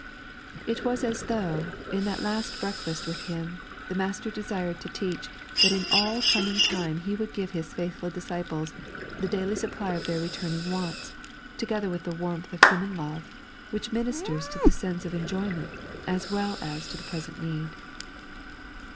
It was as though, in that last breakfast with Him, the Master desired to teach that in all coming time He would give His faithful disciples the daily supply of their returning wants, together with the warmth of human love, which ministers to the sense of enjoyment as well as to present need.